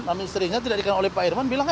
nama istrinya tidak dikenal oleh pak irman bilang